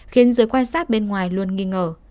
khiến giới quan sát bên ngoài luôn nghi ngờ